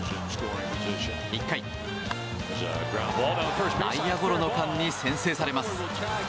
１回内野ゴロの間に先制されます。